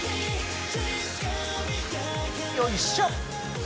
よいしょっ。